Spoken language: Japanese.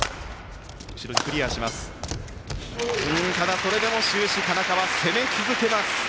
それでも終始田中は攻め続けます。